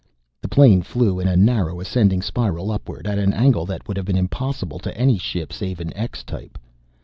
The plane flew in a narrow ascending spiral upward, at an angle that would have been impossible to any ship save an X type.